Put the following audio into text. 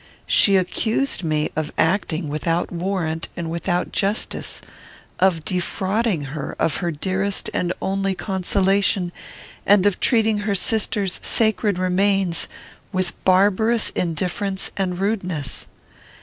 She accused me of acting without warrant and without justice; of defrauding her of her dearest and only consolation; and of treating her sister's sacred remains with barbarous indifference and rudeness.